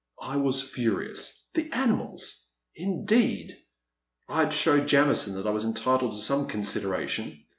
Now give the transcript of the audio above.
I was furious. The animals ! Indeed ! I 'd show Jamison that I was entitled to some consid eration